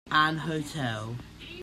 An hotel.